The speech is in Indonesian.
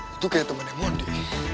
lu tuh kayak temennya monde